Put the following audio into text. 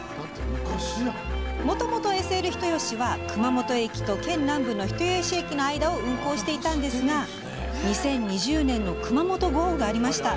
もともと、ＳＬ人吉は熊本駅と県南部の人吉駅の間を運行していたのですが２０２０年の熊本豪雨がありました。